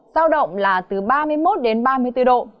giao động là từ ba mươi một đến ba mươi bốn độ